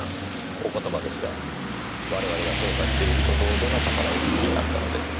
お言葉ですが我々が捜査している事をどなたからお聞きになったのでしょう？